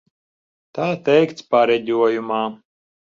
Tā teikts pareģojumā.